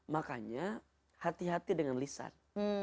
makanya hati hati dengan lisan